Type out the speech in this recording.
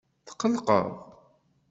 Tqelqeḍ?